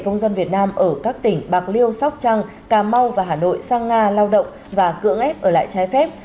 công dân việt nam ở các tỉnh bạc liêu sóc trăng cà mau và hà nội sang nga lao động và cưỡng ép ở lại trái phép